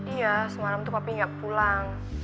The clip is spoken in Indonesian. iya semalem papi enggak pulang